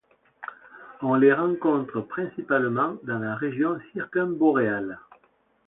On les rencontre principalement dans la région circumboréale.